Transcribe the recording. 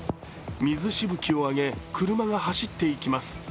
水しぶきを上げ、車が走っていきます。